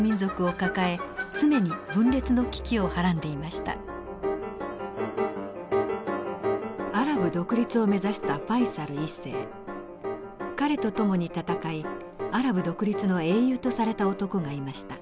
彼と共に戦いアラブ独立の英雄とされた男がいました。